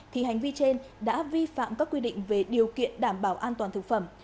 thì hành vi trên đã vi phạm các quy định về điều kiện đảm bảo an toàn thực phẩm